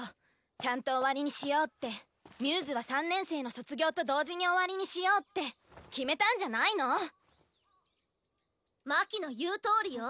ちゃんと終わりにしようってμ’ｓは３年生の卒業と同時に終わりにしようって決めたんじゃないの⁉真姫の言うとおりよ。